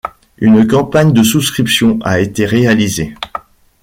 Une campagne de souscription a été réalisée.